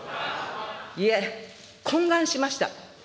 いいえ、懇願しました。